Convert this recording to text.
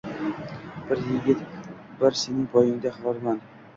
Bek yigit bir sening poyingda xorman